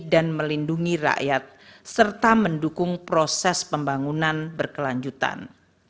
melindungi rakyat serta mendukung proses pembangunan berkelanjutan